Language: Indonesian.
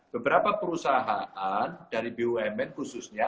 beberapa perusahaan dari bumn khususnya